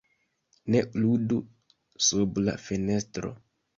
"Ne ludu sub la fenestro!"